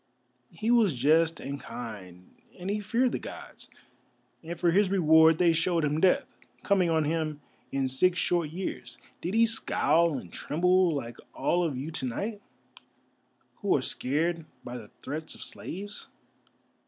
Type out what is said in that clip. He was just and kind, and he feared the Gods, and for his reward they showed him Death, coming on him in six short years. Did he scowl and tremble, like all of you to night, who are scared by the threats of slaves?